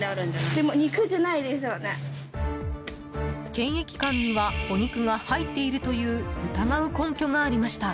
検疫官にはお肉が入っているという疑う根拠がありました。